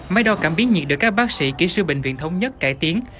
máy đo cảm biến nhiệt được các bác sĩ kỹ sư bệnh viện thống nhất cải tiến